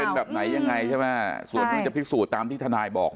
เป็นแบบไหนยังไงใช่ไหมส่วนที่จะพิสูจน์ตามที่ทนายบอก